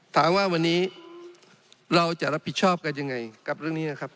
ถามว่าวันนี้เราจะรับผิดชอบกันยังไงกับเรื่องนี้นะครับ